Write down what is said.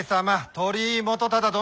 鳥居元忠殿。